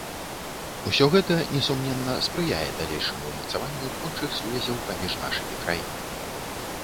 Усё гэта, несумненна, спрыяе далейшаму ўмацаванню творчых сувязяў паміж нашымі краінамі.